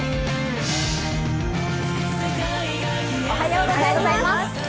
おはようございます。